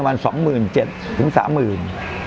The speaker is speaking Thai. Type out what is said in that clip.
ประมาณ๒๗๐๐๓๐๐๐บาท